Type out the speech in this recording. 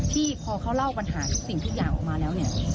ที่พอเขาเล่าปัญหาทุกสิ่งทุกอย่างออกมาแล้วเนี่ย